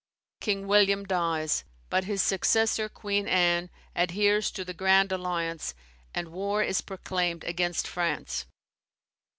King William dies; but his successor, Queen Anne, adheres to the Grand Alliance, and war is proclaimed against France.